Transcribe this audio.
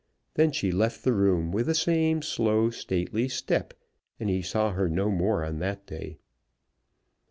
Then she left the room with the same slow, stately step, and he saw her no more on that day.